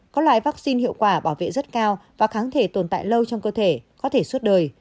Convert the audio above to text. có loại vaccine hiệu quả bảo vệ rất cao và kháng thể tồn tại lâu trong cơ thể có thể suốt đời